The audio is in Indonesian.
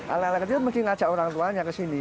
anak anak kecil mesti ngajak orang tuanya ke sini